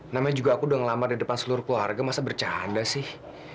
namanya juga aku udah ngelamar di depan seluruh keluarga masa bercanda sih